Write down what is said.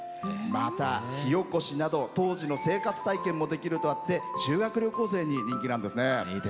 また、火おこしなど当時の生活体験もできるとあって修学旅行生に人気なんですね。